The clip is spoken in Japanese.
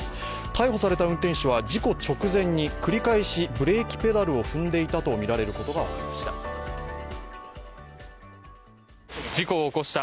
逮捕された運転手は事故直前に繰り返しブレーキペダルを踏んでいたとみられることが分かりました。